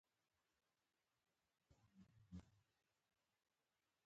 هغه بيا وپوښتل نيکه دې څه وخت مړ سو.